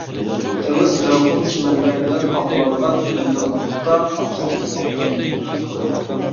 دېڭىز مەۋھۇم چىمەنلەر بىلەن قاپلانغان ئىللىقلىقتا ئاپتاپقا قاقلاندى.